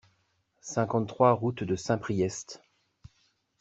cinquante-trois route de Saint-Priest